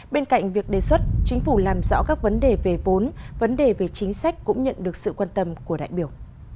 bên cạnh việc đề xuất chính phủ làm rõ các vấn đề về vốn vấn đề về chính sách cũng nhận được sự quan tâm của đại biểu